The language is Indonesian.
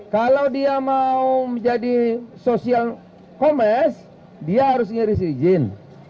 kalau dia mau menjadi social commerce dia harus ngiri